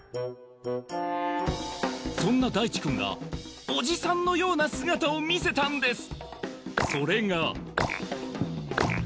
そんなだいちくんがおじさんのような姿を見せたんです